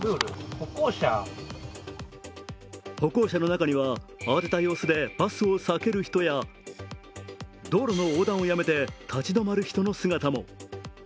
歩行者の中には慌てた様子でバスを避ける人や道路の横断をやめて立ち止まる人の姿も。